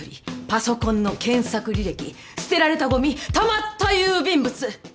パソコンの検索履歴捨てられたごみたまった郵便物